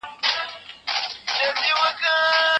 د لويي جرګې مېلمنو ته ښه راغلاست څوک وایي؟